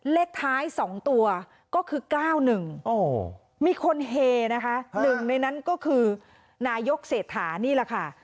เลขท้าย๒ตัวก็คือ๙๑มีคนเฮนะคะหนึ่งในนั้นก็คือนายกเศรษฐานี่แหละค่ะ